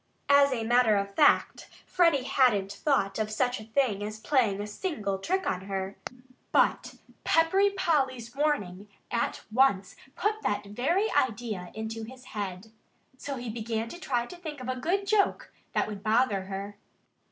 As a matter of fact, Freddie hadn't thought of such a thing as playing a single trick on her. But Peppery Polly's warning at once put that very idea into his head. So he began to try to think of a good joke that would bother her.